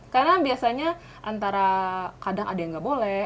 karena biasanya antara kadang ada yang nggak boleh